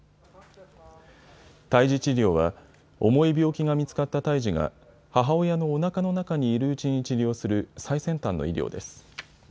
胎児治療は重い病気が見つかった胎児が母親のおなかの中にいるうちに治療する最先端の医療です。